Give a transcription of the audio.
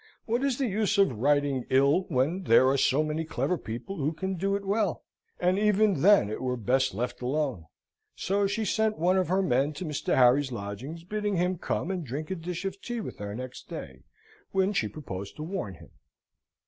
"What is the use of writing ill, when there are so many clever people who can do it well? and even then it were best left alone." So she sent one of her men to Mr. Harry's lodgings, bidding him come and drink a dish of tea with her next day, when she proposed to warn him.